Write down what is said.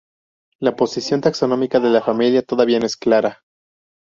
La posición taxonómica de la familia todavía no es clara.